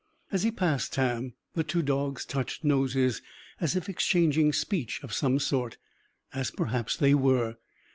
As he passed Tam, the two dogs touched noses; as if exchanging speech of some sort; as perhaps they were.